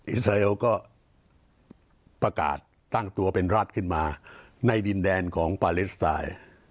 อิสราเอลก็ประกาศตั้งตัวเป็นรัฐขึ้นมาในดินแดนของปาเลสไตน์